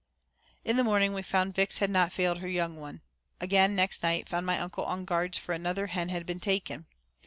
In the morning we found Vix had not failed her young one. Again next night found my uncle on guard for another hen had been taken.